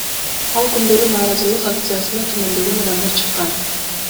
Ал күндөрү нааразылык акциясына түмөндөгөн адамдар чыккан.